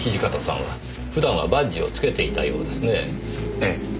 ええ。